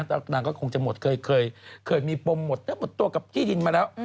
แต่นางก็คงจะหมดเคยมีปมหมดเนื้อหมดตัวกับที่ดินมาแล้ว